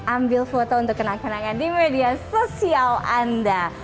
ambil foto untuk kenal kenalkan di media sosial anda